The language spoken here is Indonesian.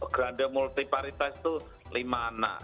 ganda multiparitas itu lima anak